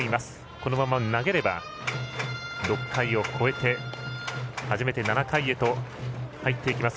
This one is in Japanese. このまま投げれば、６回を超えて初めて７回へと入っていきます。